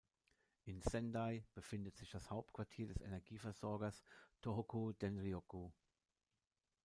In Sendai befindet sich das Hauptquartier des Energieversorgers Tōhoku Denryoku.